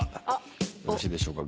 よろしいでしょうか。